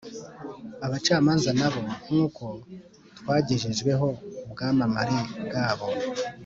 Abacamanza na bo, nk’uko twagejejweho ubwamamare bwabo,